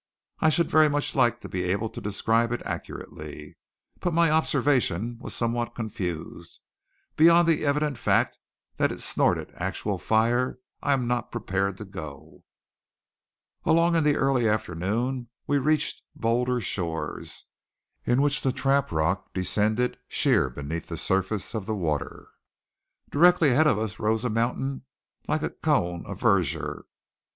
I should like very much to be able to describe it accurately, but my observation was somewhat confused. Beyond the evident fact that it snorted actual fire, I am not prepared to go. Along in the early afternoon we reached bolder shores in which the trap rock descended sheer beneath the surface of the water. Directly ahead of us rose a mountain like a cone of verdure.